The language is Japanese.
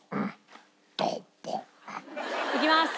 いきます！